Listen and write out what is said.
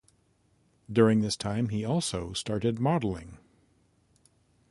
During this time he also started modelling.